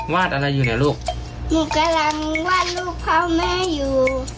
วาดอะไรอยู่นี่ลูกนี่อะไรมึงวาดลูกพ่อแม่อยู่